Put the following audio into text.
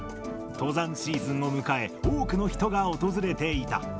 登山シーズンを迎え、多くの人が訪れていた。